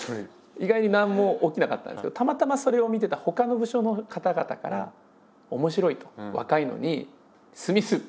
意外に何も起きなかったんですけどたまたまそれを見てたほかの部署の方々から「面白い」と。